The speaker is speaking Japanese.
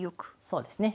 そうですね。